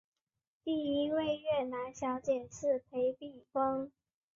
第一位越南小姐是裴碧芳。